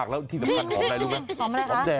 คุณชนะซักหอมไหมคะ